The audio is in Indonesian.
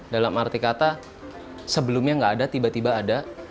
dalam arti kata sebelumnya nggak ada tiba tiba ada